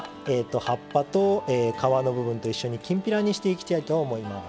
葉っぱと皮の部分と一緒にきんぴらにしていきたいと思います。